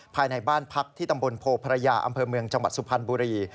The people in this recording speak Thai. ภายในบ้านพักที่ตำบลโพพระยาอำเภอเมืองจังหวัดสุพรรณบุรี